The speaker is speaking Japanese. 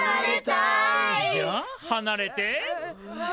じゃあはなれて。